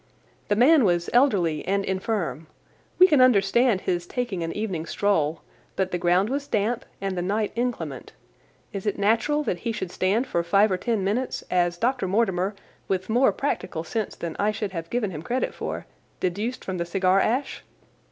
"The man was elderly and infirm. We can understand his taking an evening stroll, but the ground was damp and the night inclement. Is it natural that he should stand for five or ten minutes, as Dr. Mortimer, with more practical sense than I should have given him credit for, deduced from the cigar ash?"